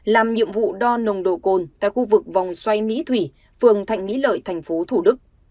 làm nhiệm vụ đo nồng độ cồn tại khu vực vòng xoay mỹ thủy phường thạnh mỹ lợi thành phố thủ đức